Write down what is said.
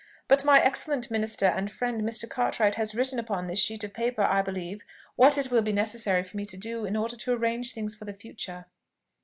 But my excellent minister and friend Mr. Cartwright has written upon this sheet of paper, I believe, what it will be necessary for me to do in order to arrange things for the future."